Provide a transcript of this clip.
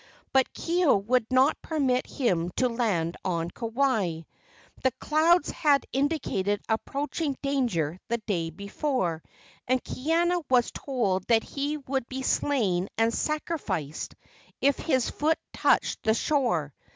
But Kaeo would not permit him to land on Kauai. The clouds had indicated approaching danger the day before, and Kaiana was told that he would be slain and sacrificed if his foot touched the shore.